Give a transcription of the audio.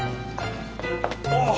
ああ